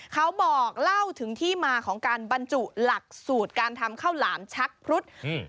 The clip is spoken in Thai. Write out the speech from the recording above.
เขาบอกเล่าถึงที่มาของการบรรจุหลักสูตรการทำข้าวหลามชักพรุษอืม